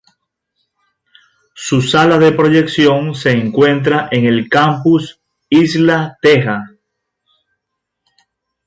Su sala de proyección se encuentra en el Campus Isla Teja.